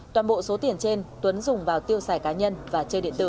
toàn bộ số tiền trên tuấn dùng vào tiêu xài cá nhân và chơi điện tử